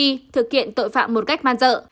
i thực kiện tội phạm một cách man dợ